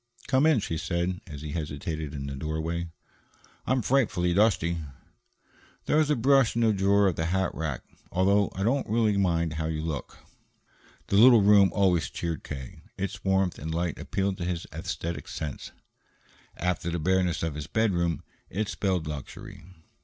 "Come in," she said, as he hesitated in the doorway. "I am frightfully dusty." "There's a brush in the drawer of the hat rack although I don't really mind how you look." The little room always cheered K. Its warmth and light appealed to his aesthetic sense; after the bareness of his bedroom, it spelled luxury.